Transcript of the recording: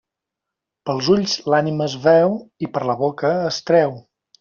Pels ulls l'ànima es veu, i per la boca es treu.